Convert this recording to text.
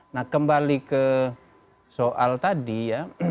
nah kembali ke soal tadi ya